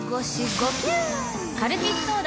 カルピスソーダ！